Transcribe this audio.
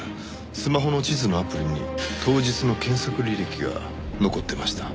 スマホの地図のアプリに当日の検索履歴が残ってました。